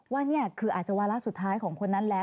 ว่านี่คืออาจจะวาระสุดท้ายของคนนั้นแล้ว